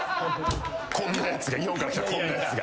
こんなやつが日本から来たこんなやつが。